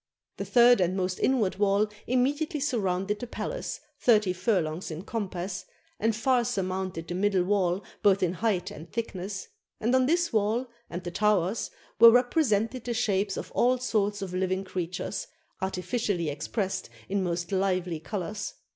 The third and most inward wall immedi ately surrounded the palace, thirty furlongs in compass, 491 MESOPOTAMIA and far surmounted the middle wall both in height and thickness, and on this wall and the towers were repre sented the shapes of all sorts of living creatures, artifi cially expressed in most lively colors.